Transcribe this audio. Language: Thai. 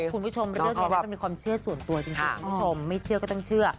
คุณผู้ชมก็ได้ก็มีความเชื่อส่วนตัวจริงคุณผู้ชมไม่เชื่อก็ต้องเชื่อ